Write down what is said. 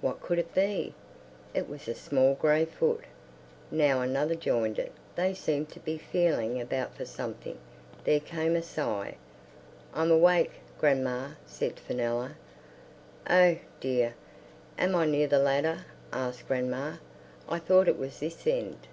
What could it be? It was a small grey foot. Now another joined it. They seemed to be feeling about for something; there came a sigh. "I'm awake, grandma," said Fenella. "Oh, dear, am I near the ladder?" asked grandma. "I thought it was this end."